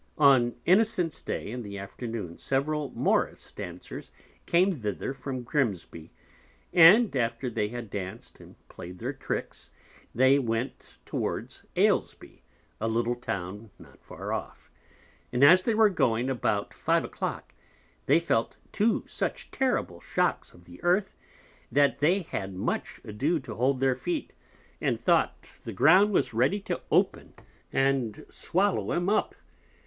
On Innocent's Day, in the Afternoon, several Morrice Dancers came thither from Grimsby; and after they had Danc'd and play'd their Tricks, they went towards Alesby, a little Town not far off: and as they were going about Five a Clock, they felt two such terrible Shocks of the Earth, that they had much ado to hold their Feet, and thought the Ground was ready to open, and swallow 'em up.